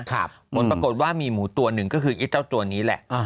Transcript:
ผลปรากฏว่ามีหมูตัวหนึ่งก็คือไอ้เจ้าตัวนี้แหละ